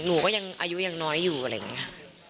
หนูก็ยังอายุยังน้อยอยู่อะไรอย่างนี้ค่ะ